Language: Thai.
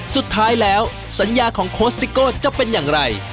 สุดท้ายแล้วสัญญาของโค้ชซิโก้จะเป็นอย่างไร